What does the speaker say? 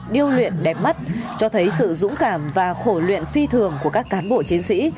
điêu luyện đẹp mắt cho thấy sự dũng cảm và khổ luyện phi thường của các cán bộ chiến sĩ